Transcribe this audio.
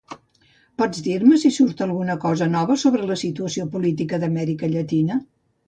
Pots dir-me si surt alguna cosa nova sobre la situació política d'Amèrica Llatina?